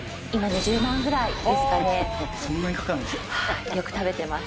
はいよく食べてます。